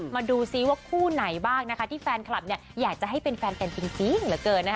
มาดูซิว่าคู่ไหนบ้างนะคะที่แฟนคลับอยากจะให้เป็นแฟนกันจริงเหลือเกินนะคะ